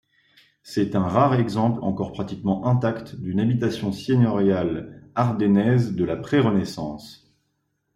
C'est un rare exemple encore pratiquement intact d’une habitation seigneuriale ardennaise de la pré-Renaissance.